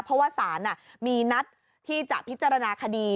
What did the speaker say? เพราะว่าศาลมีนัดที่จะพิจารณาคดี